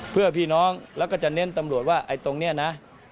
เพื่อพี่น้องแล้วก็จะเน้นตำรวจว่าไอ้ตรงนี้นะ